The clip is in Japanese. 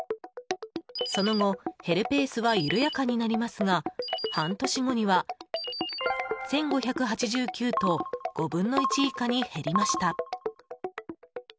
その後、減るペースは緩やかになりますが半年後には１５８９と５分の１以下に減りました。